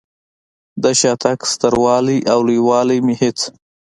د شاتګ ستر والی او لوی والی مې هېڅ.